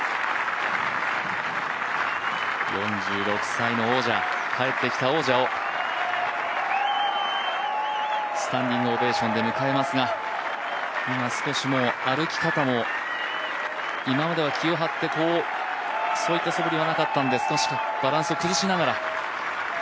４６歳の王者、帰ってきた王者をスタンディングオベーションで迎えますが今、少し歩き方も今までは気を張ってそういったそぶりはなかったんですが少しバランスを崩しながら。